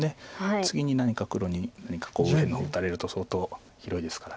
次に何か黒に右辺の方打たれると相当広いですから。